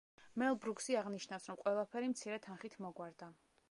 მელ ბრუკსი აღნიშნავს, რომ ყველაფერი მცირე თანხით მოგვარდა.